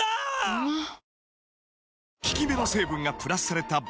うまっ！！